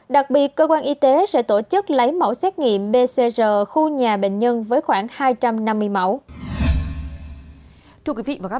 đặc biệt cơ quan y tế sẽ tổ chức lấy mẫu xét nghiệm pcr khu nhà bệnh nhân với khoảng hai trăm năm mươi mẫu